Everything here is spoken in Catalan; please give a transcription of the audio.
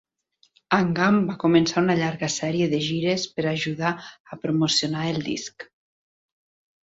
Angham va començar una llarga sèrie de gires per ajudar a promocionar el disc.